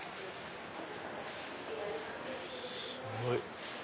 すごい。